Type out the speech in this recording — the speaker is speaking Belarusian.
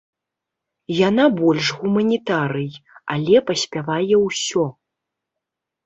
Яна больш гуманітарый, але паспявае ўсё.